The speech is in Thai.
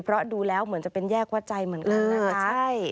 เพราะดูแล้วเหมือนจะเป็นแยกวัดใจเหมือนกันนะคะ